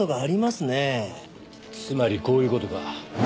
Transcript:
つまりこういう事か。